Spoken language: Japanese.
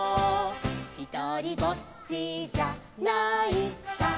「ひとりぼっちじゃないさ」